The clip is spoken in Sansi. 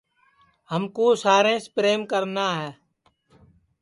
ہمکُو ساریںٚس پریم کرنا ہے